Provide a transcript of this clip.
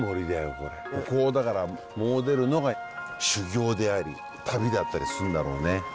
ここをだから詣でるのが修行であり旅だったりするんだろうね。